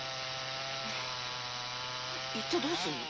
え言ってどうすんの？